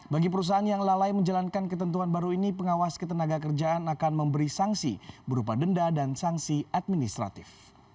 bagi perusahaan yang lalai menjalankan ketentuan baru ini pengawas ketenaga kerjaan akan memberi sanksi berupa denda dan sanksi administratif